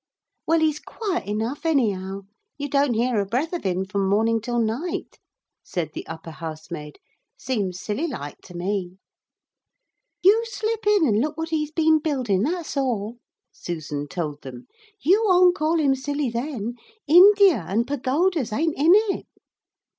'Well, he's quiet enough, anyhow. You don't hear a breath of him from morning till night,' said the upper housemaid; 'seems silly like to me.' 'You slip in and look what he's been building, that's all,' Susan told them. 'You won't call him silly then. India an' pagodas ain't in it.'